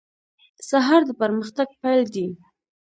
سهار د پرمختګ پیل دی.